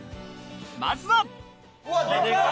まずは。